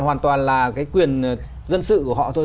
hoàn toàn là quyền dân sự của họ thôi